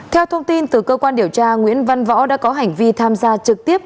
theo thông tin từ cơ quan điều tra nguyễn văn võ đã có hành vi tham gia trực tiếp